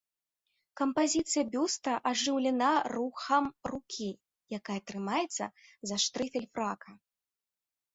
Кампазіцыя бюста ажыўлена рухам рукі, якая трымаецца за штрыфель фрака.